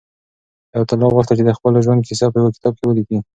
حیات الله غوښتل چې د خپل ژوند کیسه په یو کتاب کې ولیکي.